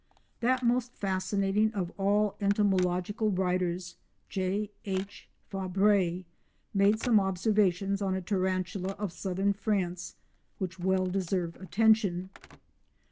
That most fascinating of all entomological writers, J. H. Fabre, made some observations on a tarantula of southern France which well deserve attention.